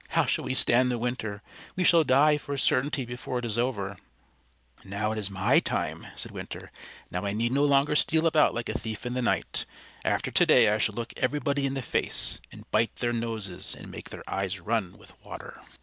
"How shall we stand the winter? We shall die for a certainty before it is over." "Now it's my time," said Winter. "Now I need no longer steal about like a thief in the night. After to day I shall look everybody in the face, and bite their noses, and make their eyes run with water."